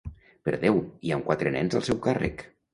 Per Déu, i amb quatre nens al seu càrrec!